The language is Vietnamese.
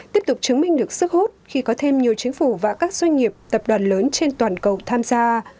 tiếp tục chứng minh được sức hút khi có thêm nhiều chính phủ và các doanh nghiệp tập đoàn lớn trên toàn cầu tham gia